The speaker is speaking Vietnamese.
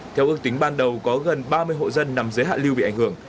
theo ước tính ban đầu có gần ba mươi hộ dân nằm dưới hạ lưu bị ảnh hưởng